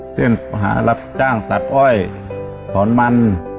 หารับจ้างตัดอ้อยสอนมัน